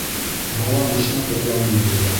Бала мышнап йоҡлауын белде.